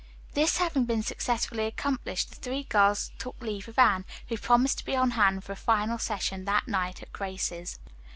This having been successfully accomplished, the three girls took leave of Anne, who promised to be on hand for a final session that night at Grace's.